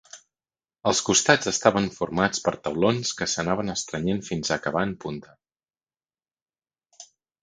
Els costats estaven formats per taulons que s'anaven estrenyent fins a acabar en punta.